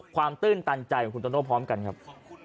ความตื้นตันใจของคุณตนโลพร้อมกันครับ